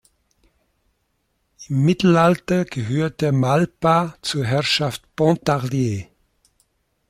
Im Mittelalter gehörte Malpas zur Herrschaft Pontarlier.